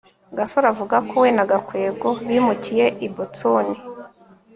gasore avuga ko we na gakwego bimukiye i boston